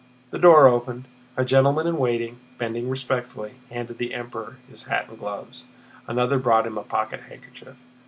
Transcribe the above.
The door opened, a gentleman in waiting, bending respectfully, handed the Emperor his hat and gloves; another brought him a pocket handkerchief.